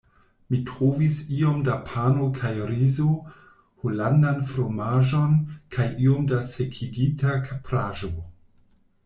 Mi trovis iom da pano kaj rizo, holandan fromaĝon, kaj iom da sekigita kapraĵo.